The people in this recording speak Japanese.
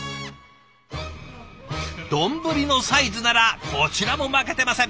丼のサイズならこちらも負けてません。